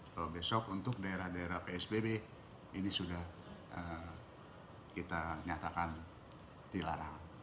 kalau besok untuk daerah daerah psbb ini sudah kita nyatakan dilarang